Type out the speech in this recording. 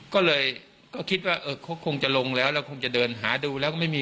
ก็เลยก็คิดว่าเขาคงจะลงแล้วแล้วคงจะเดินหาดูแล้วก็ไม่มี